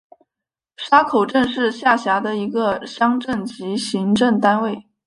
沙口镇是下辖的一个乡镇级行政单位。